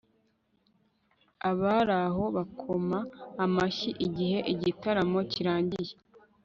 abari aho bakoma amashyi igihe igitaramo kirangiye